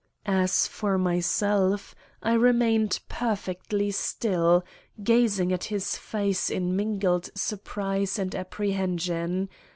As for myself, I remained perfectly still, gazing at his face in mingled surprise and apprehension.